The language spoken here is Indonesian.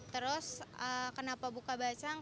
terus kenapa buka bacang